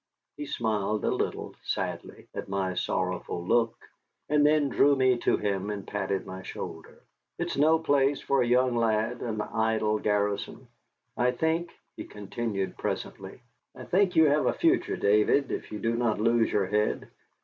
He smiled a little, sadly, at my sorrowful look, and then drew me to him and patted my shoulder. "It is no place for a young lad, an idle garrison. I think," he continued presently, "I think you have a future, David, if you do not lose your head.